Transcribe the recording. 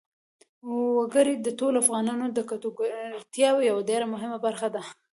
وګړي د ټولو افغانانو د ګټورتیا یوه ډېره مهمه برخه ده.